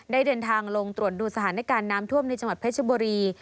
ได้เดินทางลงตรวจดูสถานการณ์น้ำท่วมในจังหวัดเพชรบุรี